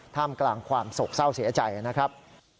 ท่ามกลางความโศกเศร้าเสียใจนะครับ